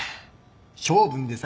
性分でさ。